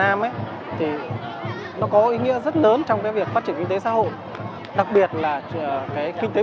là làm sao để mở rộng mô hình thủy sản nuôi trồng và đánh bắt thủy sản trong lộng và ngoài khơi